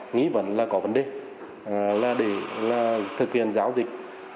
nghĩ vẫn là có vấn đề là để thực hiện giao dịch